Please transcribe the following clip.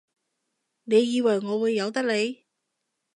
你以為我會由得你？